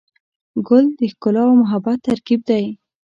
ګل د ښکلا او محبت ترکیب دی.